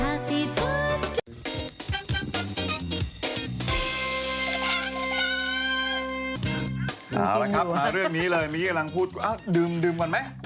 เอาละครับมาเรื่องนี้เลยเมื่อกี้กำลังพูดดื่มก่อนไหม